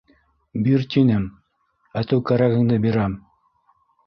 — Бир тинем, әтеү кәрәгеңде бирәм!